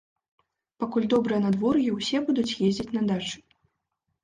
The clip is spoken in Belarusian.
Пакуль добрае надвор'е, усе будуць ездзіць на дачы.